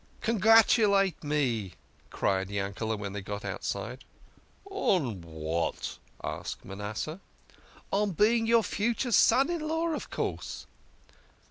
" Congratulate me !" cried Yankete when they got out side. " On what? " asked Manasseh. " On being your future son in law, of course."